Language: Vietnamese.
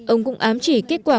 ông cũng ám chỉ kết quả